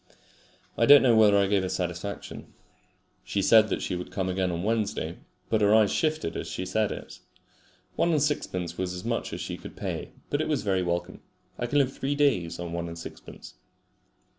I don't know whether I gave her satisfaction. She said that she would come again on Wednesday, but her eyes shifted as she said it. One and sixpence was as much as she could pay, but it was very welcome. I can live three days on one and sixpence.